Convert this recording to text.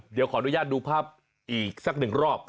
เดี๋ยวขออนุญาตดูภาพอีกสักหนึ่งรอบ